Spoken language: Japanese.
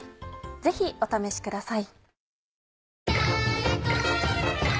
ぜひお試しください。